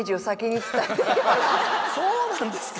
そうなんですか。